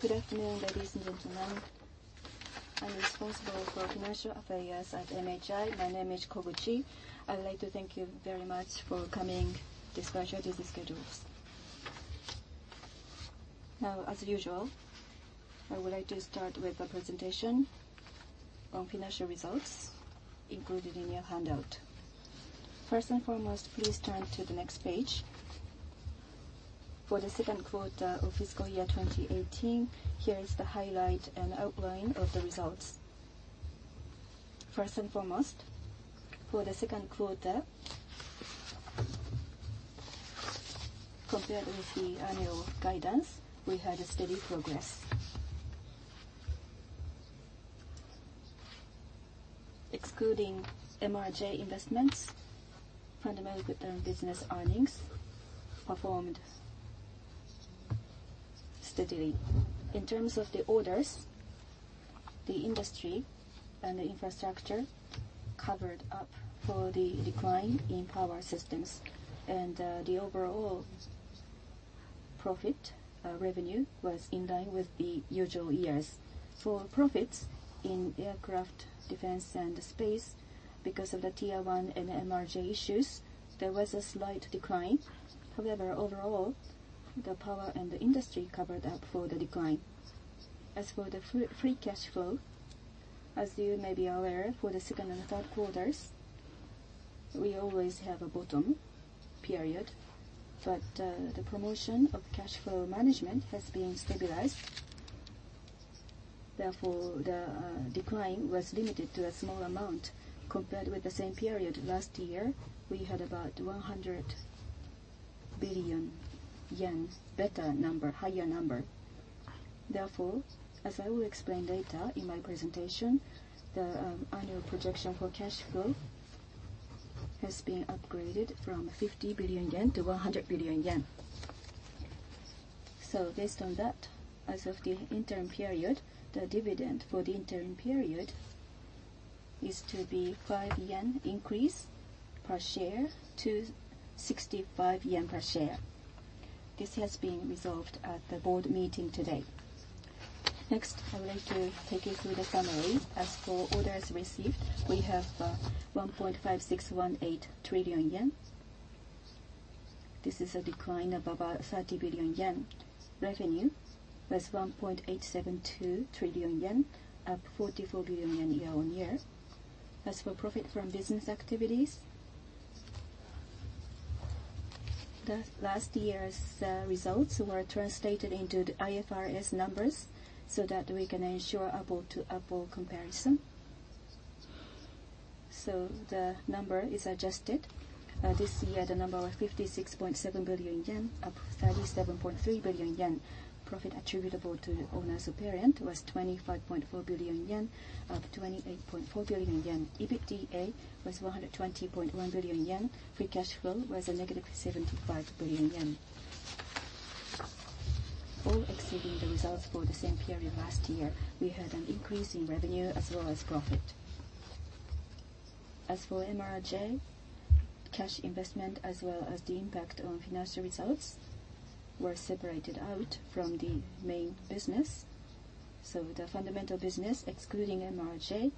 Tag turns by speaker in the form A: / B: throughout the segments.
A: Good afternoon, ladies and gentlemen. I'm responsible for financial affairs at MHI. My name is Koguchi. I'd like to thank you very much for coming despite your busy schedules. I would like to start with a presentation on financial results included in your handout. Please turn to the next page. For the 2Q of FY 2018, here is the highlight and outline of the results. For the 2Q, compared with the annual guidance, we had a steady progress. Excluding MRJ investments, fundamental business earnings performed steadily. In terms of the orders, the Industry and Infrastructure covered up for the decline in Power Systems, the overall profit revenue was in line with the usual years. For profits in Aircraft, Defense and Space, because of the Tier 1 and MRJ issues, there was a slight decline. Overall, the Power Systems and the Industry and Infrastructure covered up for the decline. As for the free cash flow, as you may be aware, for the 2Q and 3Q, we always have a bottom period, but the promotion of cash flow management has been stabilized. The decline was limited to a small amount. Compared with the same period last year, we had about 100 billion yen better number, higher number. As I will explain later in my presentation, the annual projection for cash flow has been upgraded from 50 billion yen to 100 billion yen. Based on that, as of the interim period, the dividend for the interim period is to be 5 yen increase per share to 65 yen per share. This has been resolved at the board meeting today. I would like to take you through the summary. As for orders received, we have 1.5618 trillion yen. This is a decline of about 30 billion yen. Revenue was 1.872 trillion yen, up 44 billion yen year-over-year. As for profit from business activities, the last year's results were translated into the IFRS numbers so that we can ensure apple-to-apple comparison. The number is adjusted. This year, the number was 56.7 billion yen, up 37.3 billion yen. Profit attributable to owners of parent was 25.4 billion yen, up 28.4 billion yen. EBITDA was 120.1 billion yen. Free cash flow was a negative 75 billion. All exceeding the results for the same period last year, we had an increase in revenue as well as profit. As for MRJ, cash investment as well as the impact on financial results were separated out from the main business. The fundamental business, excluding MRJ,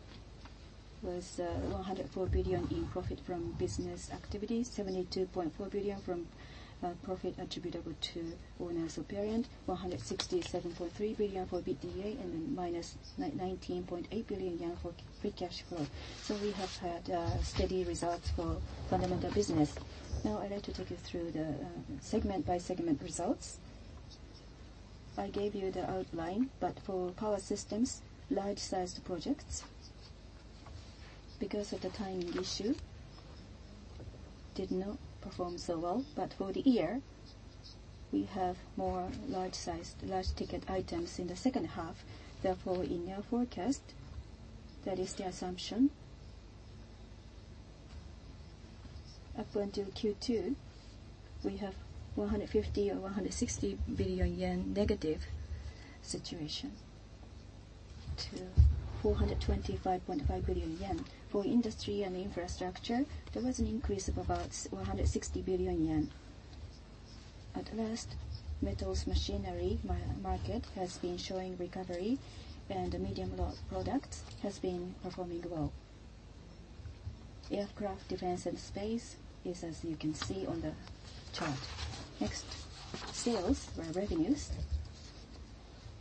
A: was 104 billion in profit from business activities, 72.4 billion from profit attributable to owners of parent, 167.3 billion for EBITDA, and then minus 19.8 billion yen for free cash flow. We have had steady results for fundamental business. I'd like to take you through the segment-by-segment results. I gave you the outline, for Power Systems, large-sized projects, because of the timing issue, did not perform so well. For the year, we have more large-ticket items in the second half, in our forecast, that is the assumption. Up until Q2, we have 150 billion or 160 billion yen negative situation to 425.5 billion yen. For Industry and Infrastructure, there was an increase of about 160 billion yen. Metals Machinery market has been showing recovery, and medium-lot products has been performing well. Aircraft, defense, and space is as you can see on the chart. Sales or revenues.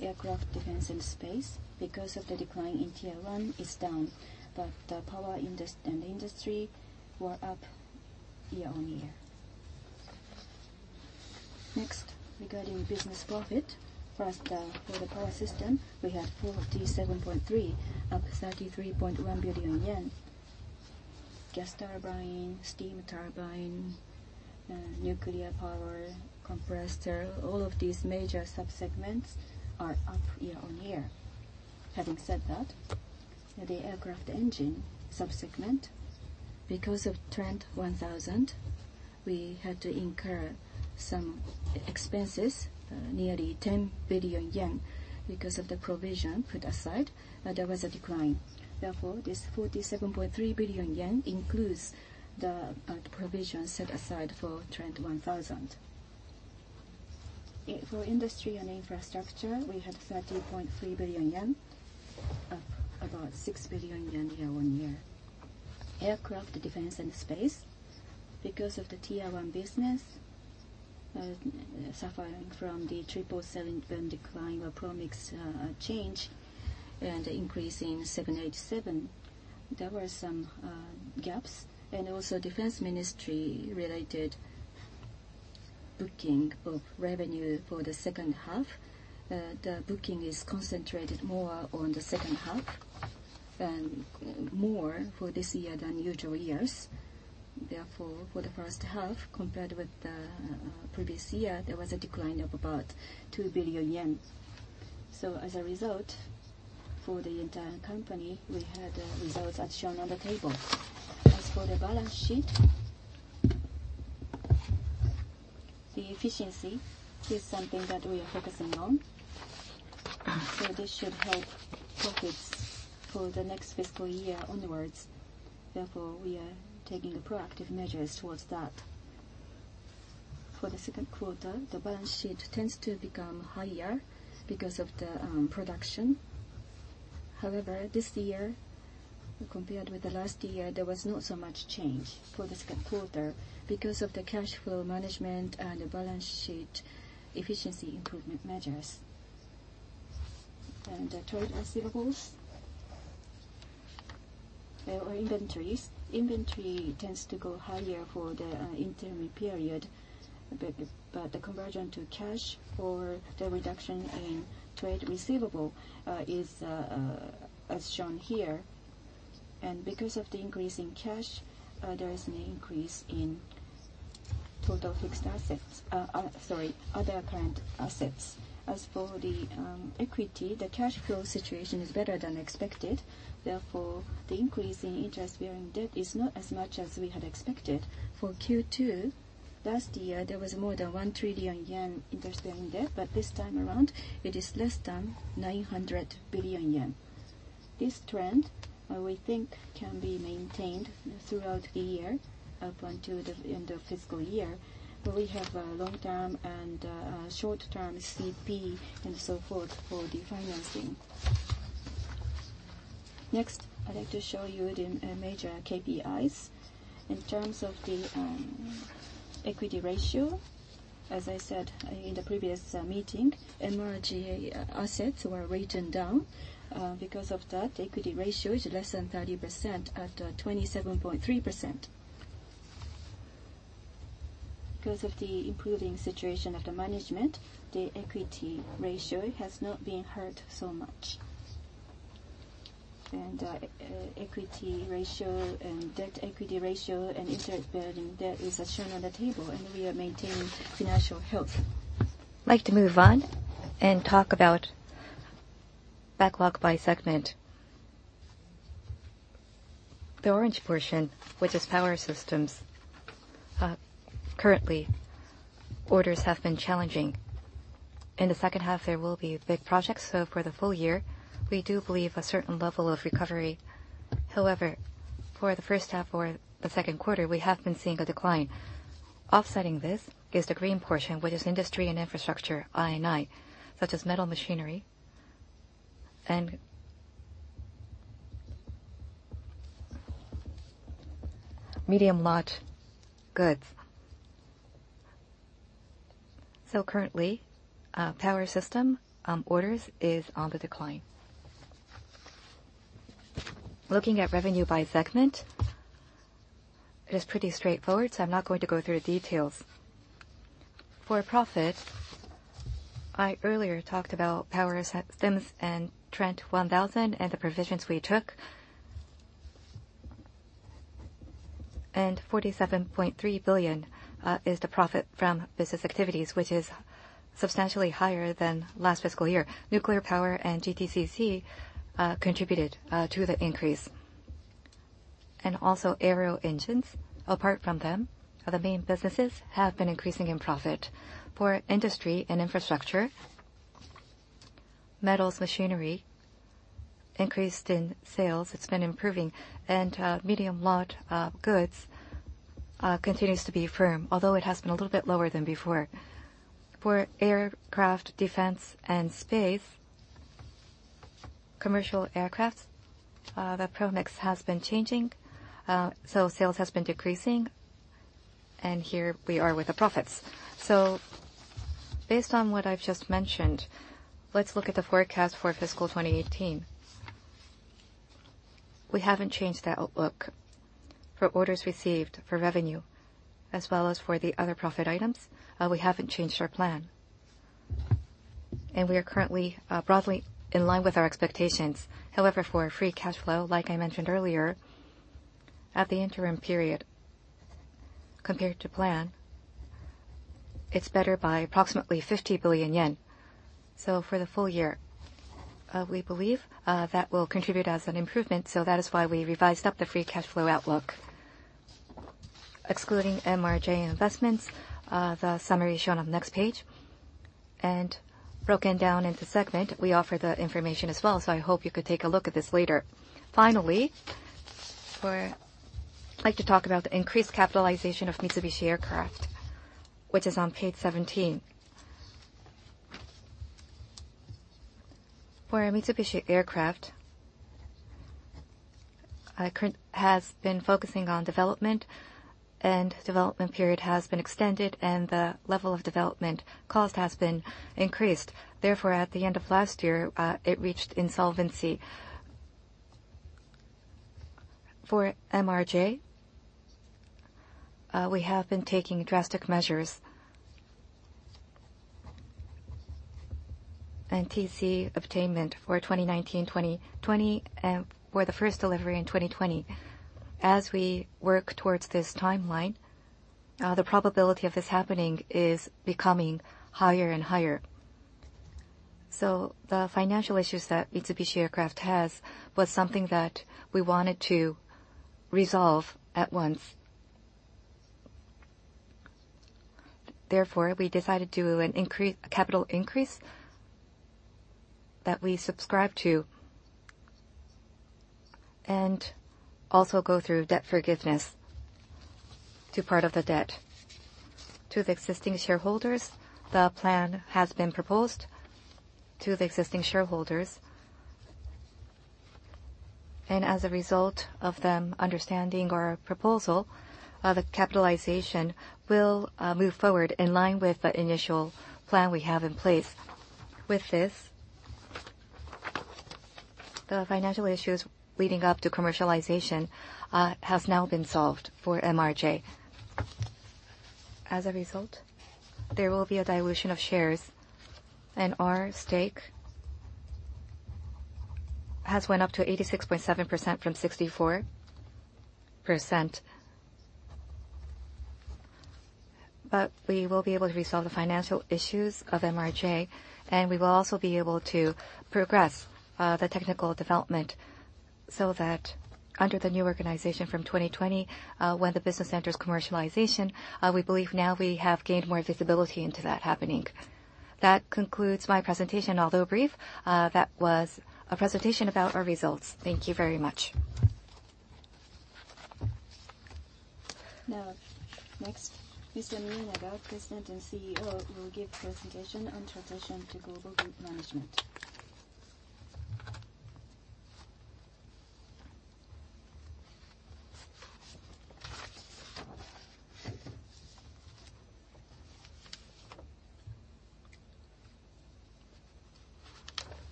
A: Aircraft, defense, and space, because of the decline in Tier 1, is down, but Power and Industry were up year-on-year. Regarding business profit. First, for the Power Systems, we had 47.3 billion, up JPY 33.1 billion. gas turbine, steam turbine, nuclear power, compressor, all of these major subsegments are up year-on-year. Having said that, the Aero Engines subsegment, because of Trent 1000, we had to incur some expenses, nearly 10 billion yen because of the provision put aside. There was a decline. This 47.3 billion yen includes the provision set aside for Trent 1000. For Industry and Infrastructure, we had 30.3 billion yen, up about 6 billion yen year-on-year. Aircraft, defense, and space, because of the Tier 1 business, suffering from the Boeing 777 decline or product mix change and increase in Boeing 787, there were some gaps. Also, Defense Ministry related booking of revenue for the second half. The booking is concentrated more on the second half, and more for this year than usual years. For the first half, compared with the previous year, there was a decline of about 2 billion yen. As a result, for the entire company, we had results as shown on the table. As for the balance sheet, the efficiency is something that we are focusing on. This should help profits for the next fiscal year onwards. We are taking proactive measures towards that. For the second quarter, the balance sheet tends to become higher because of the production. However, this year, compared with the last year, there was not so much change for the second quarter because of the cash flow management and the balance sheet efficiency improvement measures, and trade receivables or inventories. Inventory tends to go higher for the interim period, the conversion to cash or the reduction in trade receivable is as shown here. Because of the increase in cash, there is an increase in other current assets. As for the equity, the cash flow situation is better than expected. The increase in interest-bearing debt is not as much as we had expected. For Q2 last year, there was more than 1 trillion yen interest-bearing debt, but this time around it is less than 900 billion yen. This trend, we think, can be maintained throughout the year up until the end of fiscal year, where we have long-term and short-term CP and so forth for the financing. I'd like to show you the major KPIs. In terms of the equity ratio, as I said in the previous meeting, MRJ assets were written down. Because of that, the equity ratio is less than 30% at 27.3%. Because of the improving situation of the management, the equity ratio has not been hurt so much. Equity ratio and debt-equity ratio and interest-bearing debt is as shown on the table, and we are maintaining financial health.
B: I'd like to move on and talk about backlog by segment. The orange portion, which is power systems, currently, orders have been challenging. In the second half, there will be big projects, so for the full year, we do believe a certain level of recovery. However, for the first half or the second quarter, we have been seeing a decline. Offsetting this is the green portion, which is industry and infrastructure, I&I, such as Metals Machinery and medium-lot products. Currently, power systems orders is on the decline. Looking at revenue by segment, it is pretty straightforward, so I'm not going to go through the details. For profit, I earlier talked about power systems and Trent 1000 and the provisions we took. 47.3 billion is the profit from business activities, which is substantially higher than last fiscal year. Nuclear power and GTCC contributed to the increase. Also Aero Engines. Apart from them, the main businesses have been increasing in profit. For industry and infrastructure, Metals Machinery increased in sales. It's been improving. Medium-lot products continues to be firm, although it has been a little bit lower than before. For aircraft defense and space, commercial aircraft, the product mix has been changing, so sales has been decreasing. Here we are with the profits. Based on what I've just mentioned, let's look at the forecast for fiscal 2018. We haven't changed the outlook for orders received, for revenue, as well as for the other profit items. We haven't changed our plan. We are currently broadly in line with our expectations. However, for free cash flow, like I mentioned earlier, at the interim period compared to plan, it's better by approximately 50 billion yen. For the full year, we believe that will contribute as an improvement. That is why we revised up the free cash flow outlook. Excluding MRJ investments, the summary shown on the next page. Broken down into segment, we offer that information as well. I hope you could take a look at this later. Finally, I'd like to talk about the increased capitalization of Mitsubishi Aircraft, which is on page 17. For Mitsubishi Aircraft, current has been focusing on development, and development period has been extended, and the level of development cost has been increased. Therefore, at the end of last year, it reached insolvency. For MRJ, we have been taking drastic measures and TC obtainment for 2019, 2020, for the first delivery in 2020. As we work towards this timeline, the probability of this happening is becoming higher and higher. The financial issues that Mitsubishi Aircraft has was something that we wanted to resolve at once. Therefore, we decided to do a capital increase that we subscribe to, and also go through debt forgiveness to part of the debt. To the existing shareholders, the plan has been proposed to the existing shareholders. As a result of them understanding our proposal, the capitalization will move forward in line with the initial plan we have in place. With this, the financial issues leading up to commercialization has now been solved for MRJ. As a result, there will be a dilution of shares, and our stake has went up to 86.7% from 64%. We will be able to resolve the financial issues of MRJ, and we will also be able to progress the technical development, so that under the new organization from 2020, when the business enters commercialization, we believe now we have gained more visibility into that happening. That concludes my presentation. Although brief, that was a presentation about our results. Thank you very much.
C: Next, Mr. Miyanaga, President and CEO, will give presentation on transition to global group management.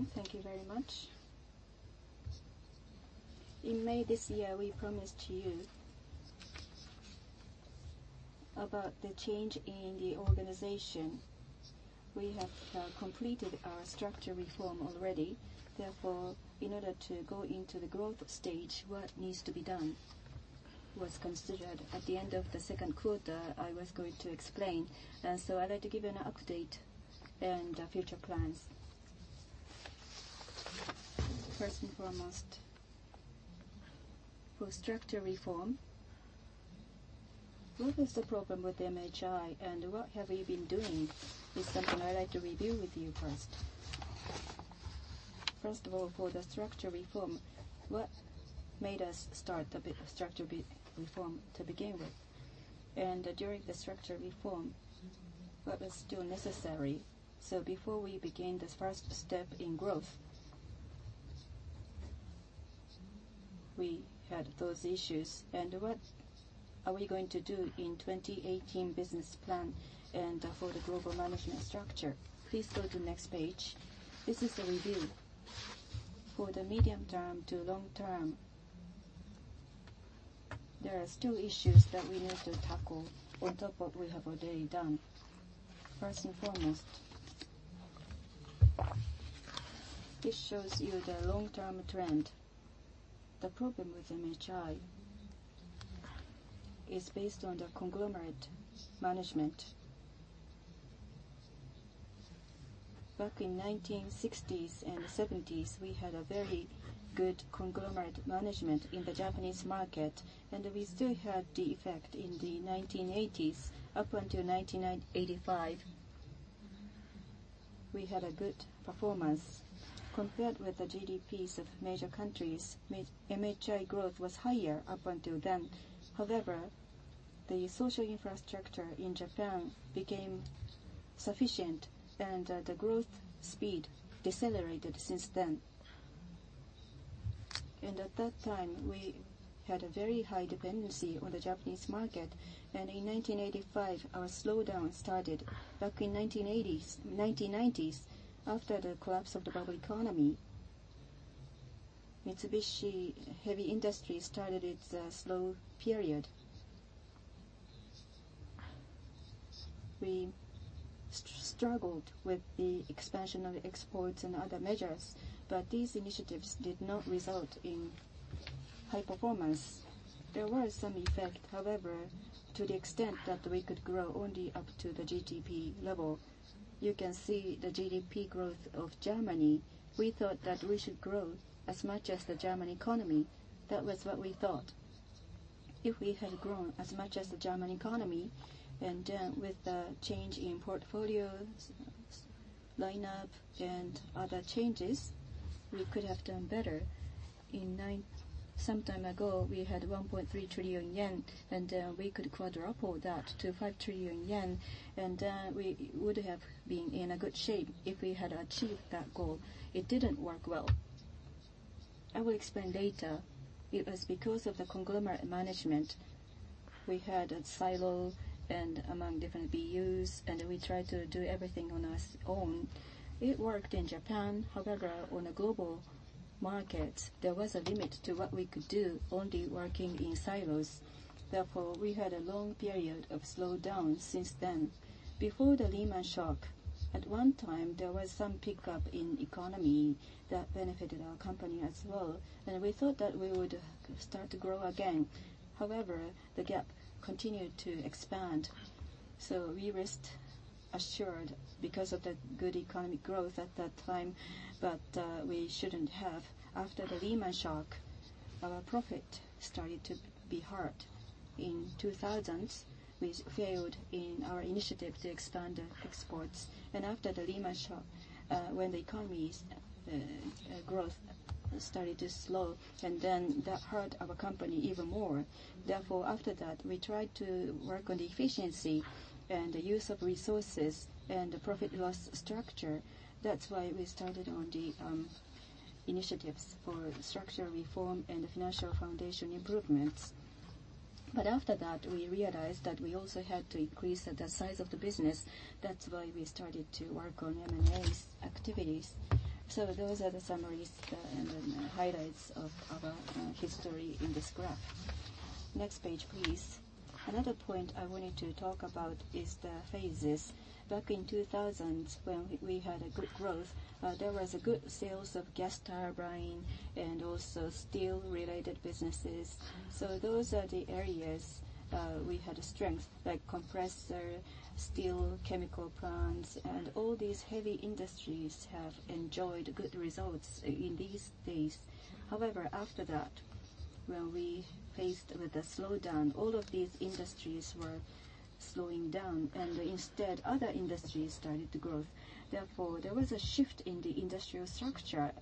B: This is Miyanaga speaking. Thank you very much. In May this year, we promised to you about the change in the organization. We have completed our structure reform already. Therefore, in order to go into the growth stage, what needs to be done was considered. At the end of the second quarter, I was going to explain, I'd like to give you an update and future plans. First and foremost, for structure reform, what was the problem with MHI and what have we been doing is something I'd like to review with you first. First of all, for the structure reform, what made us start the structure reform to begin with? During the structure reform, what was still necessary?
A: Before we begin this first step in growth, we had those issues. What are we going to do in 2018 business plan and for the global management structure? Please go to next page. This is the review. For the medium term to long term, there are still issues that we need to tackle on top of what we have already done. First and foremost, this shows you the long-term trend. The problem with MHI is based on the conglomerate management. Back in the 1960s and 1970s, we had a very good conglomerate management in the Japanese market, and we still had the effect in the 1980s, up until 1985. We had a good performance. Compared with the GDPs of major countries, MHI growth was higher up until then. However, the social infrastructure in Japan became sufficient, and the growth speed decelerated since then. At that time, we had a very high dependency on the Japanese market. In 1985, our slowdown started. Back in the 1990s, after the collapse of the bubble economy, Mitsubishi Heavy Industries started its slow period. We struggled with the expansion of exports and other measures, these initiatives did not result in high performance. There was some effect, however, to the extent that we could grow only up to the GDP level. You can see the GDP growth of Germany. We thought that we should grow as much as the German economy. That was what we thought. If we had grown as much as the German economy, with the change in portfolio lineup and other changes, we could have done better. Sometime ago, we had 1.3 trillion yen, we could quadruple that to 5 trillion yen, we would have been in a good shape if we had achieved that goal. It didn't work well. I will explain later. It was because of the conglomerate management. We had a silo among different BUs, we tried to do everything on our own. It worked in Japan. On a global market, there was a limit to what we could do only working in silos. We had a long period of slowdown since then. Before the Lehman shock, at one time, there was some pickup in economy that benefited our company as well, we thought that we would start to grow again. The gap continued to expand, we rest assured because of the good economic growth at that time, but we shouldn't have. After the Lehman shock, our profit started to be hurt. In 2000, we failed in our initiative to expand exports. After the Lehman shock, when the economy's growth started to slow, that hurt our company even more. After that, we tried to work on the efficiency, the use of resources, and the profit loss structure. That's why we started on the initiatives for structural reform and the financial foundation improvements. After that, we realized that we also had to increase the size of the business. That's why we started to work on M&A activities. Those are the summaries and the highlights of our history in this graph. Next page, please. Another point I wanted to talk about is the phases. Back in 2000, when we had a good growth, there was good sales of gas turbine and also steel-related businesses. Those are the areas we had strength, like compressor, steel, chemical plants, and all these heavy industries have enjoyed good results in these days. After that, when we faced with the slowdown, all of these industries were slowing down, instead, other industries started to grow. There was a shift in the industrial structure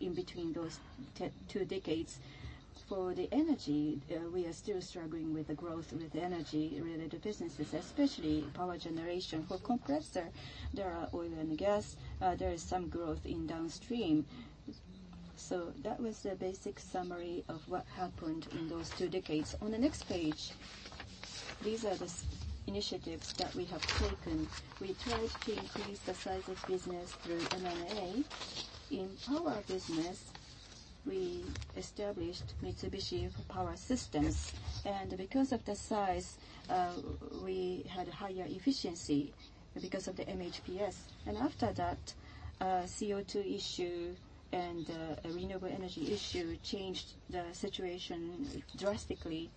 A: in between those two decades. For the energy, we are still struggling with the growth with energy-related businesses, especially power generation. For compressor, there are oil and gas, there is some growth in downstream. That was the basic summary of what happened in those two decades. On the next page, these are the initiatives that we have taken. We tried to increase the size of business through M&A. In power business, we established Mitsubishi Power Systems, and because of the size, we had higher efficiency because of the MHPS. After that, CO2 issue and renewable energy issue changed the situation drastically.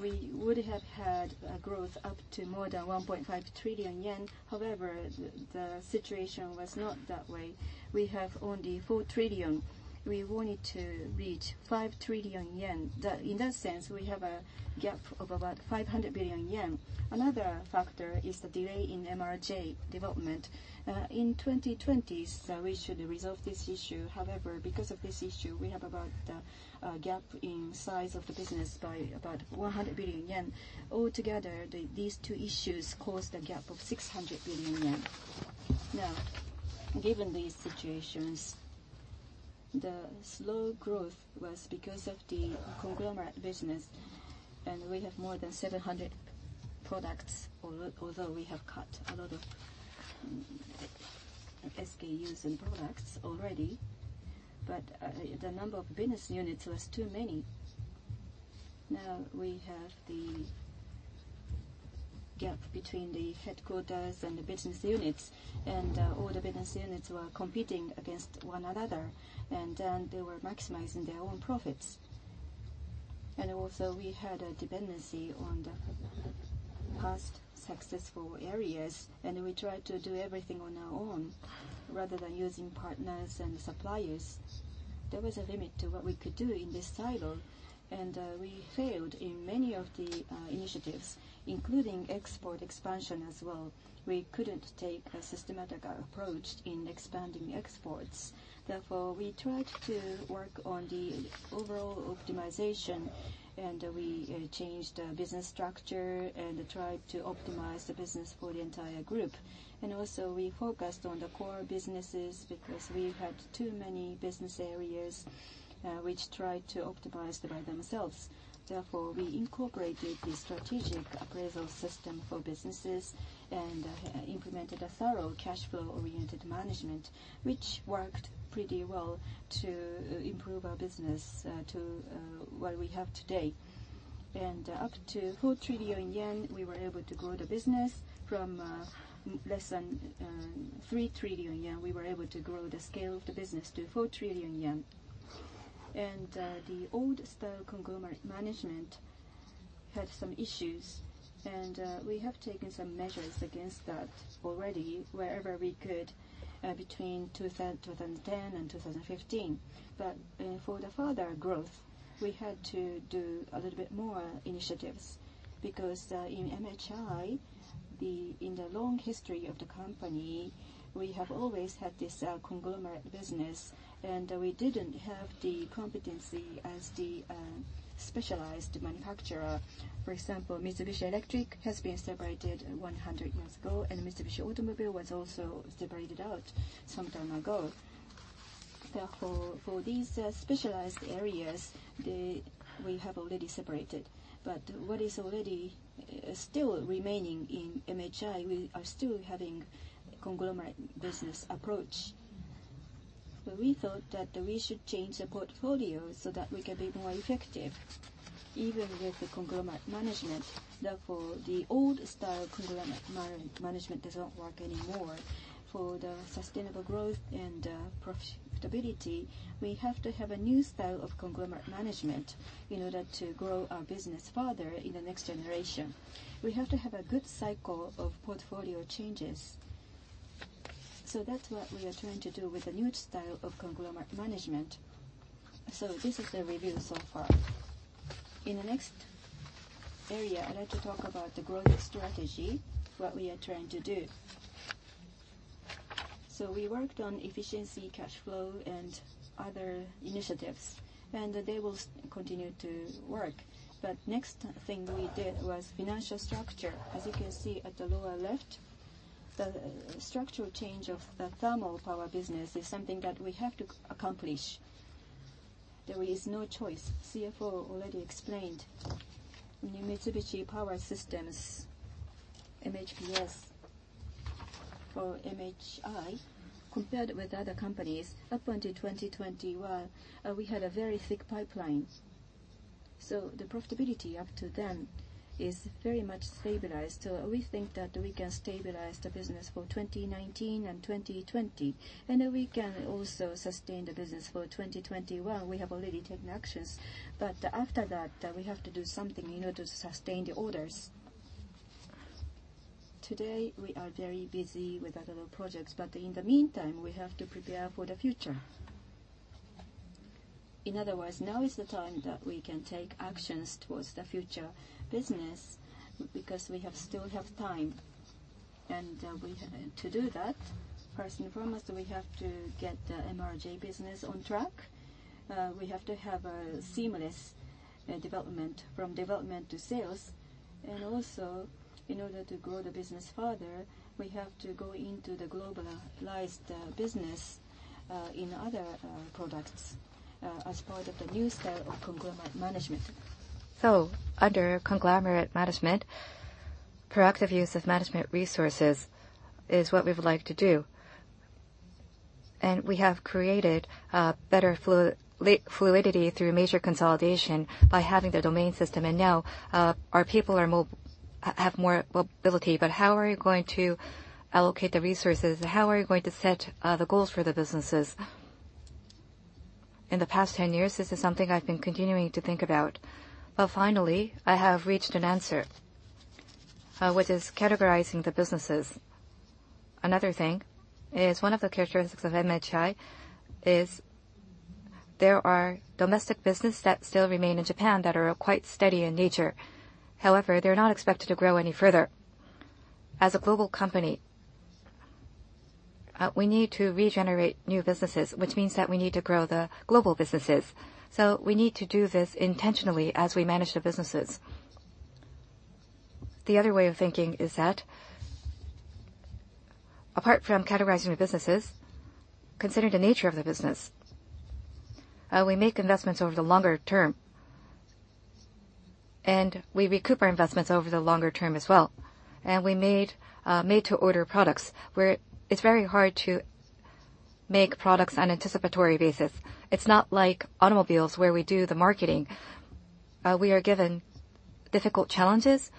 A: We would have had a growth up to more than 1.5 trillion yen. The situation was not that way. We have only 4 trillion. We wanted to reach 5 trillion yen. In that sense, we have a gap of about 500 billion yen. Another factor is the delay in MRJ development. In 2020, we should resolve this issue, because of this issue, we have about a gap in size of the business by about 100 billion yen. Altogether, these two issues caused a gap of 600 billion yen. Given these situations, the slow growth was because of the conglomerate business, we have more than 700 products, although we have cut a lot of SKUs and products already. The number of business units was too many. We have the gap between the headquarters and the business units, and all the business units were competing against one another, and then they were maximizing their own profits. We had a dependency on the past successful areas, and we tried to do everything on our own rather than using partners and suppliers. There was a limit to what we could do in this silo, and we failed in many of the initiatives, including export expansion as well. We couldn't take a systematic approach in expanding exports. We tried to work on the overall optimization, and we changed the business structure and tried to optimize the business for the entire group. We focused on the core businesses because we had too many business areas, which tried to optimize by themselves. We incorporated the strategic appraisal system for businesses and implemented a thorough cash flow-oriented management, which worked pretty well to improve our business to what we have today. Up to 4 trillion yen, we were able to grow the business. From less than 3 trillion yen, we were able to grow the scale of the business to 4 trillion yen. The old-style conglomerate management had some issues, and we have taken some measures against that already wherever we could between 2010 and 2015. For further growth, we had to do a little bit more initiatives, because in MHI, in the long history of the company, we have always had this conglomerate business, and we didn't have the competency as the specialized manufacturer. For example, Mitsubishi Electric has been separated 100 years ago, and Mitsubishi Motors was also separated out some time ago. For these specialized areas, we have already separated. What is already still remaining in MHI, we are still having a conglomerate business approach. We thought that we should change the portfolio so that we can be more effective, even with the conglomerate management. The old-style conglomerate management doesn't work anymore. For sustainable growth and profitability, we have to have a new style of conglomerate management in order to grow our business further in the next generation. We have to have a good cycle of portfolio changes. That's what we are trying to do with a new style of conglomerate management. This is the review so far. In the next area, I'd like to talk about the growth strategy, what we are trying to do. We worked on efficiency, cash flow, and other initiatives, and they will continue to work. The next thing we did was financial structure. As you can see at the lower left, the structural change of the thermal power business is something that we have to accomplish. There is no choice. CFO already explained. New Mitsubishi Power Systems, MHPS, for MHI, compared with other companies, up until 2021, we had a very thick pipeline. The profitability up to then is very much stabilized. We think that we can stabilize the business for 2019 and 2020, and we can also sustain the business for 2021. We have already taken actions. After that, we have to do something in order to sustain the orders. Today, we are very busy with other projects, in the meantime, we have to prepare for the future. In other words, now is the time that we can take actions towards the future business because we still have time. To do that, first and foremost, we have to get the MRJ business on track. We have to have a seamless development from development to sales. Also, in order to grow the business further, we have to go into the globalized business in other products as part of the new style of conglomerate management.
B: Under conglomerate management, proactive use of management resources is what we would like to do. We have created better fluidity through major consolidation by having the domain system. Now, our people have more mobility. How are you going to allocate the resources? How are you going to set the goals for the businesses? In the past 10 years, this is something I've been continuing to think about. Finally, I have reached an answer, which is categorizing the businesses. Another thing is one of the characteristics of MHI is there are domestic business that still remain in Japan that are quite steady in nature. However, they're not expected to grow any further. As a global company, we need to regenerate new businesses, which means that we need to grow the global businesses. We need to do this intentionally as we manage the businesses. The other way of thinking is that apart from categorizing the businesses, consider the nature of the business. We make investments over the longer term, and we recoup our investments over the longer term as well. We made made-to-order products where it's very hard to make products on an anticipatory basis. It's not like automobiles where we do the marketing. We are given difficult challenges.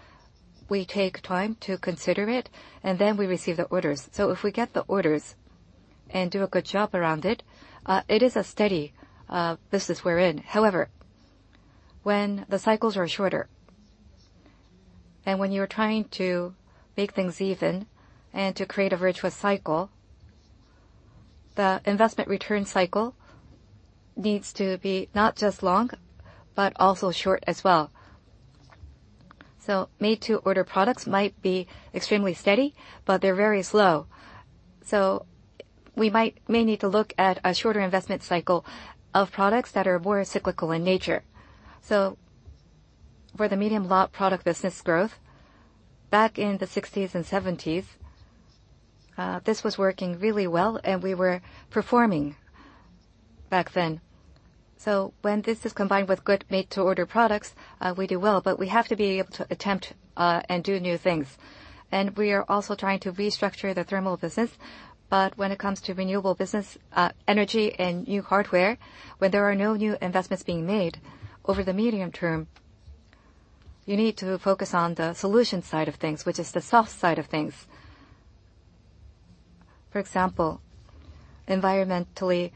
B: We take time to consider it, and then we receive the orders. If we get the orders and do a good job around it is a steady business we're in. However, when the cycles are shorter and when you're trying to make things even and to create a virtuous cycle, the investment return cycle needs to be not just long, but also short as well. Made-to-order products might be extremely steady, but they're very slow. We may need to look at a shorter investment cycle of products that are more cyclical in nature. For the medium-lot product business growth, back in the '60s and '70s, this was working really well, and we were performing back then. When this is combined with good made-to-order products, we do well, but we have to be able to attempt and do new things. We are also trying to restructure the thermal business. When it comes to renewable business, energy and new hardware, when there are no new investments being made over the medium term, you need to focus on the solution side of things, which is the soft side of things. For example, environmentally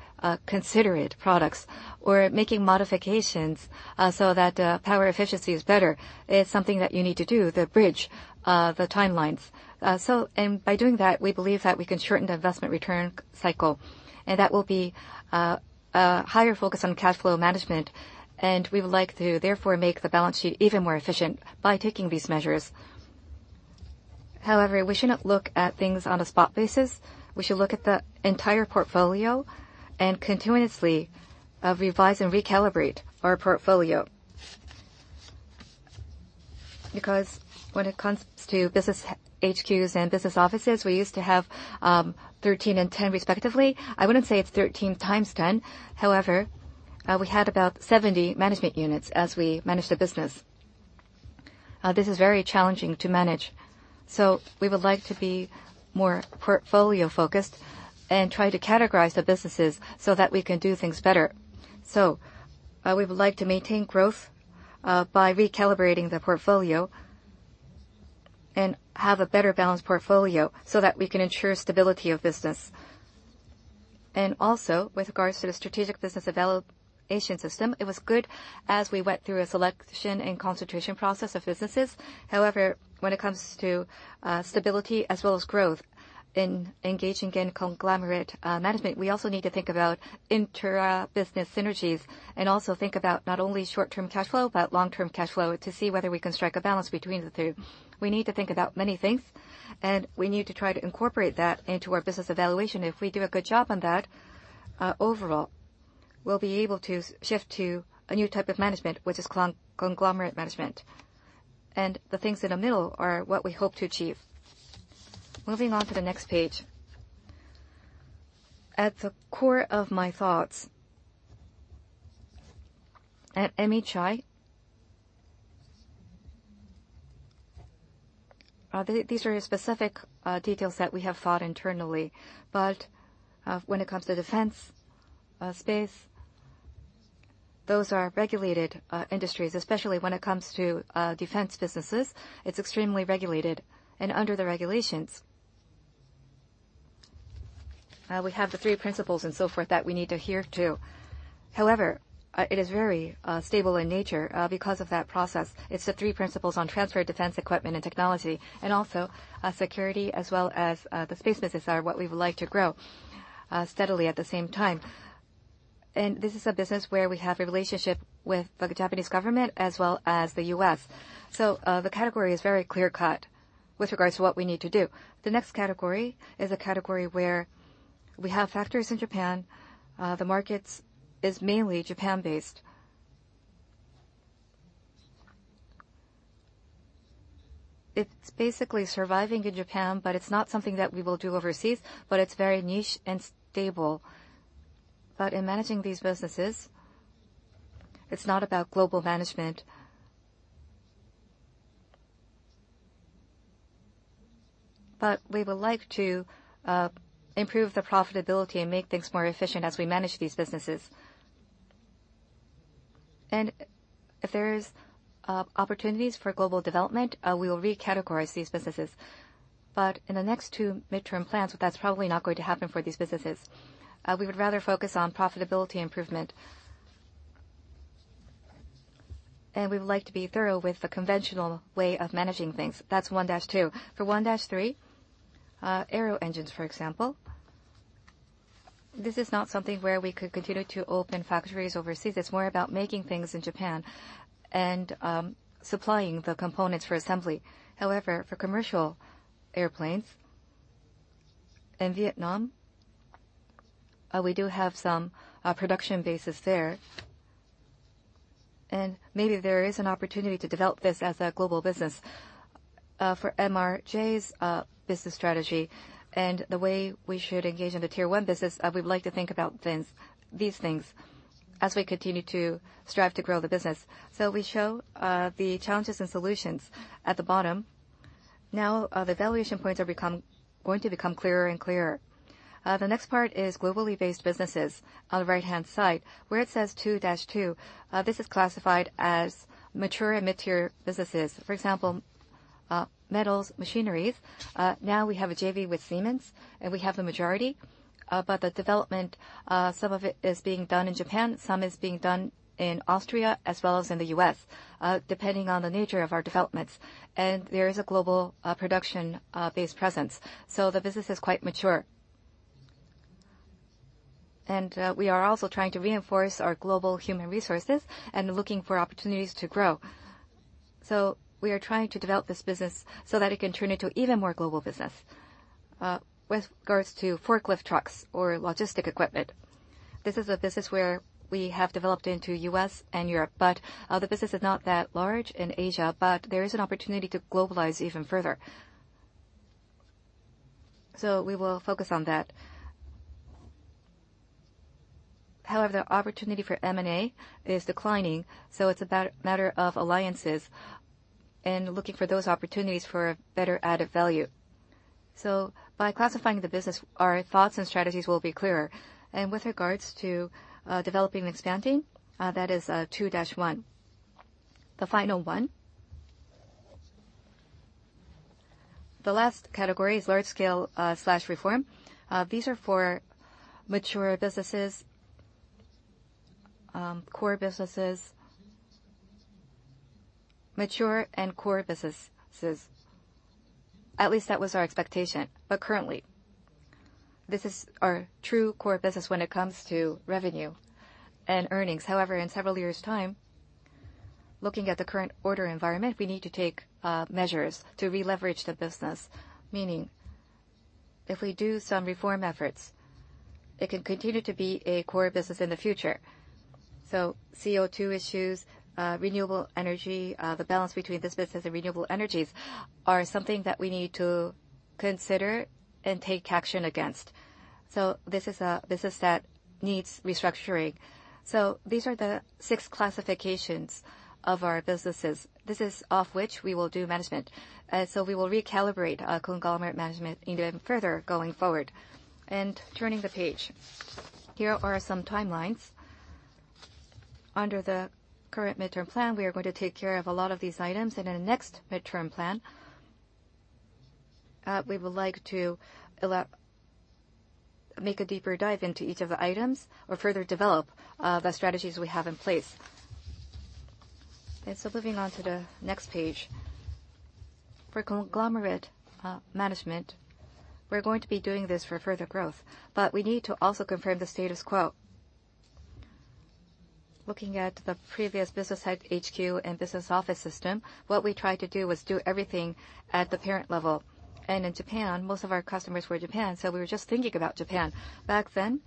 B: considerate products or making modifications so that power efficiency is better, is something that you need to do to bridge the timelines. By doing that, we believe that we can shorten the investment return cycle. That will be a higher focus on cash flow management. We would like to therefore make the balance sheet even more efficient by taking these measures. We should not look at things on a spot basis. We should look at the entire portfolio and continuously revise and recalibrate our portfolio. When it comes to business HQs and business offices, we used to have 13 and 10 respectively. I wouldn't say it's 13 times 10. We had about 70 management units as we managed the business. This is very challenging to manage. We would like to be more portfolio-focused and try to categorize the businesses so that we can do things better. We would like to maintain growth by recalibrating the portfolio and have a better balanced portfolio so that we can ensure stability of business. Also with regards to the strategic business evaluation system, it was good as we went through a selection and concentration process of businesses. When it comes to stability as well as growth in engaging in conglomerate management, we also need to think about intra-business synergies and also think about not only short-term cash flow, but long-term cash flow to see whether we can strike a balance between the two. We need to think about many things, and we need to try to incorporate that into our business evaluation. If we do a good job on that, overall, we'll be able to shift to a new type of management, which is conglomerate management. The things in the middle are what we hope to achieve. Moving on to the next page. At the core of my thoughts, at MHI, these are specific details that we have thought internally. When it comes to defense, space, those are regulated industries, especially when it comes to defense businesses. It's extremely regulated. Under the regulations, we have the Three Principles on Transfer of Defense Equipment and Technology and so forth that we need to adhere to. It is very stable in nature because of that process. It's the Three Principles on Transfer of Defense Equipment and Technology, and also security as well as the space business are what we would like to grow steadily at the same time. This is a business where we have a relationship with the Japanese government as well as the U.S. The category is very clear-cut with regards to what we need to do. The next category is a category where we have factories in Japan. The market is mainly Japan-based. It's basically surviving in Japan, but it's not something that we will do overseas, but it's very niche and stable. In managing these businesses, it's not about global management. We would like to improve the profitability and make things more efficient as we manage these businesses. If there's opportunities for global development, we will re-categorize these businesses. In the next two midterm plans, that's probably not going to happen for these businesses. We would rather focus on profitability improvement. We would like to be thorough with the conventional way of managing things. That's 1-2. For 1-3, Aero Engines, for example. This is not something where we could continue to open factories overseas. It's more about making things in Japan and supplying the components for assembly. However, for commercial airplanes in Vietnam, we do have some production bases there, and maybe there is an opportunity to develop this as a global business. For MRJ's business strategy and the way we should engage in the Tier 1 business, we would like to think about these things as we continue to strive to grow the business. We show the challenges and solutions at the bottom. The valuation points are going to become clearer and clearer. The next part is globally based businesses on the right-hand side where it says 2-2. This is classified as mature and mid-tier businesses. For example, Metals Machinery. Now we have a JV with Siemens, and we have the majority. But the development, some of it is being done in Japan, some is being done in Austria as well as in the U.S., depending on the nature of our developments. There is a global production-based presence. The business is quite mature. We are also trying to reinforce our global human resources and looking for opportunities to grow. We are trying to develop this business so that it can turn into even more global business. With regards to forklift trucks or logistics equipment, this is a business where we have developed into U.S. and Europe, but the business is not that large in Asia, but there is an opportunity to globalize even further. We will focus on that. However, the opportunity for M&A is declining, so it's a matter of alliances and looking for those opportunities for better added value. By classifying the business, our thoughts and strategies will be clearer. With regards to developing and expanding, that is 2-1. The last category is large-scale/reform. These are for mature businesses, core businesses. Mature and core businesses. At least that was our expectation. But currently, this is our true core business when it comes to revenue and earnings. However, in several years' time, looking at the current order environment, we need to take measures to re-leverage the business. Meaning, if we do some reform efforts, it can continue to be a core business in the future. CO2 issues, renewable energy, the balance between this business and renewable energies are something that we need to consider and take action against. This is a business that needs restructuring. These are the 6 classifications of our businesses. This is off which we will do management. We will recalibrate our conglomerate management even further going forward. Turning the page. Here are some timelines. Under the current midterm plan, we are going to take care of a lot of these items. In the next midterm plan, we would like to make a deeper dive into each of the items or further develop the strategies we have in place. Okay, moving on to the next page. For conglomerate management, we're going to be doing this for further growth. But we need to also confirm the status quo. Looking at the previous business head HQ and business office system, what we tried to do was do everything at the parent level. In Japan, most of our customers were in Japan, so we were just thinking about Japan. Back then,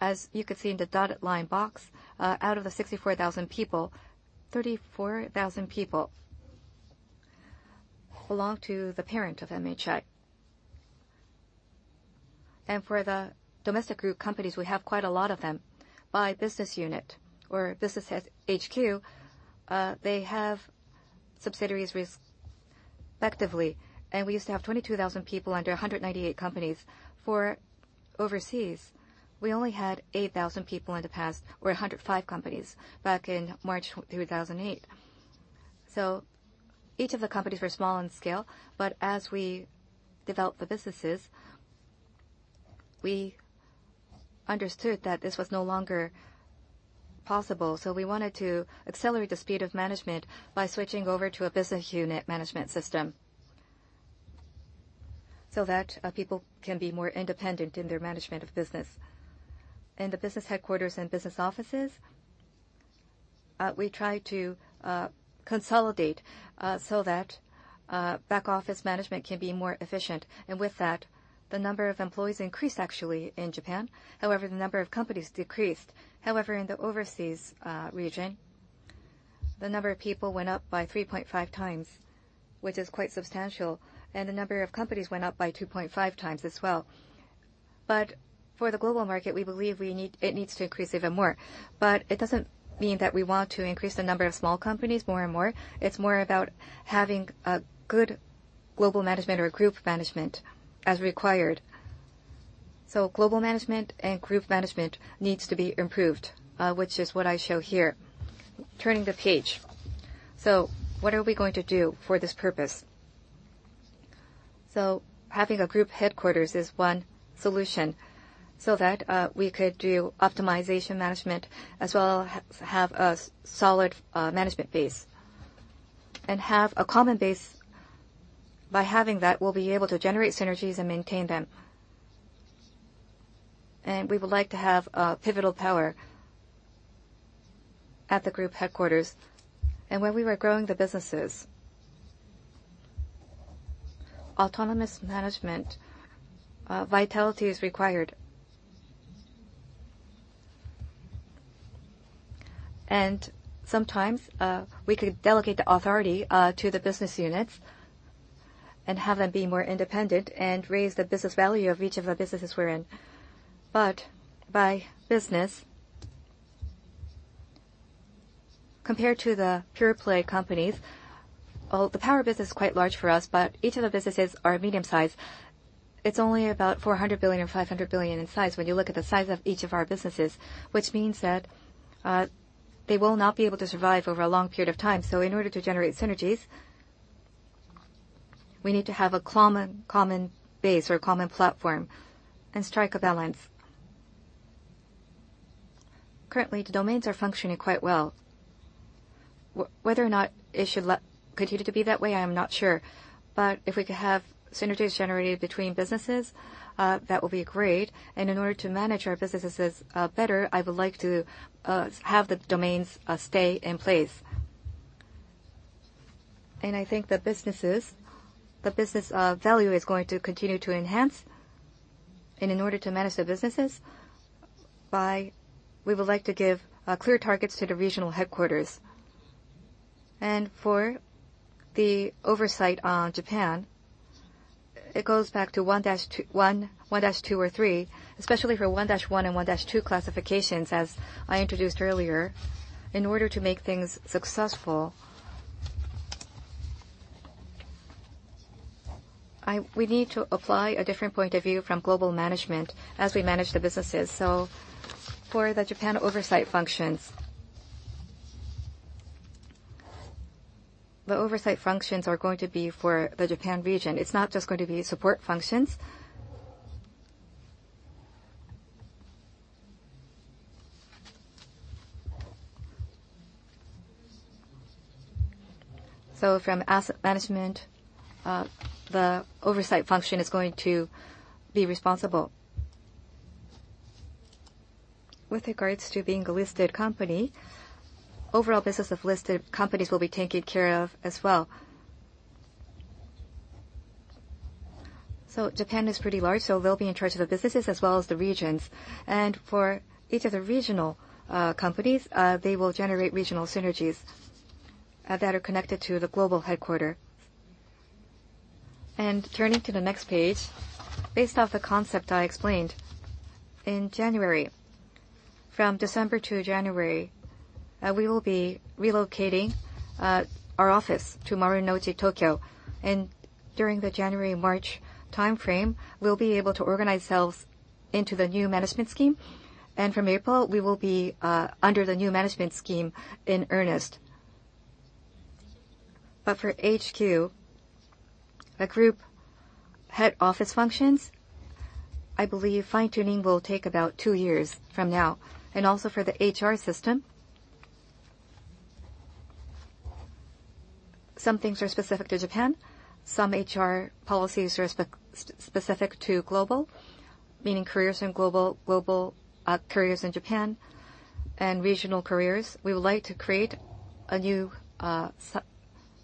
B: as you could see in the dotted line box, out of the 64,000 people, 34,000 people belonged to the parent of MHI. For the domestic group companies, we have quite a lot of them by business unit or business HQ. They have subsidiaries respectively. We used to have 22,000 people under 198 companies. For overseas, we only had 8,000 people in the past or 105 companies back in March 2008. Each of the companies were small in scale, but as we developed the businesses, we understood that this was no longer possible. We wanted to accelerate the speed of management by switching over to a Business Unit management system. That people can be more independent in their management of business. In the business headquarters and business offices, we try to consolidate so that back-office management can be more efficient. With that, the number of employees increased actually in Japan. However, the number of companies decreased. However, in the overseas region, the number of people went up by 3.5 times, which is quite substantial, and the number of companies went up by 2.5 times as well. For the global market, we believe it needs to increase even more. It doesn't mean that we want to increase the number of small companies more and more. It's more about having a good global management or group management as required. Global management and group management needs to be improved, which is what I show here. Turning the page. What are we going to do for this purpose? Having a group headquarters is one solution so that we could do optimization management as well as have a solid management base. Have a common base. By having that, we'll be able to generate synergies and maintain them. We would like to have pivotal power at the group headquarters. When we were growing the businesses, autonomous management vitality is required. Sometimes we could delegate the authority to the Business Units and have them be more independent and raise the business value of each of the businesses we're in. By business, compared to the pure-play companies, the power business is quite large for us, but each of the businesses are a medium size. It's only about 400 billion, 500 billion in size when you look at the size of each of our businesses, which means that they will not be able to survive over a long period of time. In order to generate synergies, we need to have a common base or a common platform and strike a balance. Currently, the domains are functioning quite well. Whether or not it should continue to be that way, I am not sure. If we could have synergies generated between businesses, that would be great. In order to manage our businesses better, I would like to have the domains stay in place. I think the business value is going to continue to enhance. In order to manage the businesses, we would like to give clear targets to the regional headquarters. For the oversight on Japan, it goes back to 1-2 or 3, especially for 1-1 and 1-2 classifications, as I introduced earlier, in order to make things successful. We need to apply a different point of view from global management as we manage the businesses. For the Japan oversight functions, the oversight functions are going to be for the Japan region. It's not just going to be support functions. From asset management, the oversight function is going to be responsible. With regards to being a listed company, overall business of listed companies will be taken care of as well. Japan is pretty large, so they'll be in charge of the businesses as well as the regions. For each of the regional companies, they will generate regional synergies that are connected to the global headquarter. Turning to the next page, based off the concept I explained, in January, from December to January, we will be relocating our office to Marunouchi, Tokyo. During the January-March timeframe, we'll be able to organize ourselves into the new management scheme. From April, we will be under the new management scheme in earnest. For HQ, the group head office functions, I believe fine-tuning will take about two years from now. Also for the HR system, some things are specific to Japan, some HR policies are specific to global, meaning careers in global, careers in Japan, and regional careers. We would like to create a new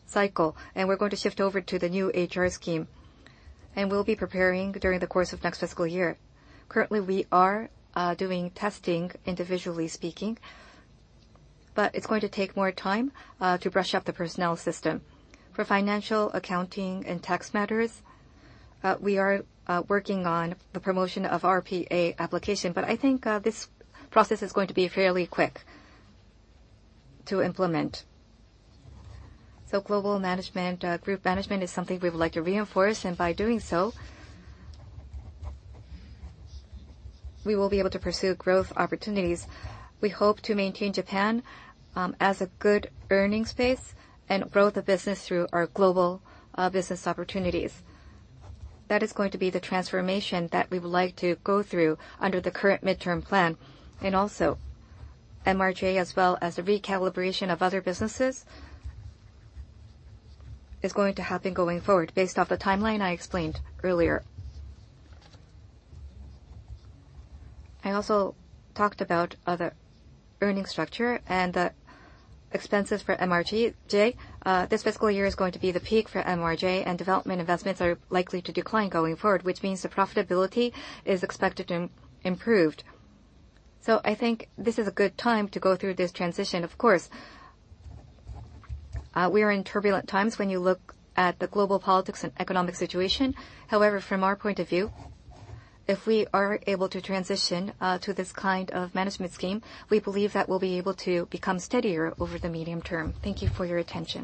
B: cycle, and we're going to shift over to the new HR scheme. We'll be preparing during the course of next fiscal year. Currently, we are doing testing individually speaking. It's going to take more time to brush up the personnel system. For financial, accounting, and tax matters, we are working on the promotion of RPA application. I think this process is going to be fairly quick to implement. Global management, group management is something we would like to reinforce, and by doing so, we will be able to pursue growth opportunities. We hope to maintain Japan as a good earning space and grow the business through our global business opportunities. That is going to be the transformation that we would like to go through under the current midterm plan. MRJ as well as the recalibration of other businesses is going to happen going forward based off the timeline I explained earlier. I also talked about other earning structure and the expenses for MRJ. This fiscal year is going to be the peak for MRJ, and development investments are likely to decline going forward, which means the profitability is expected to improve. I think this is a good time to go through this transition. Of course, we are in turbulent times when you look at the global politics and economic situation. However, from our point of view, if we are able to transition to this kind of management scheme, we believe that we'll be able to become steadier over the medium term. Thank you for your attention.